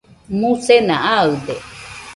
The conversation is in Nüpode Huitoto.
musena aɨde